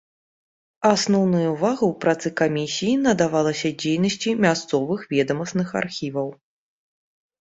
Асноўная ўвага ў працы камісіі надавалася дзейнасці мясцовых ведамасных архіваў.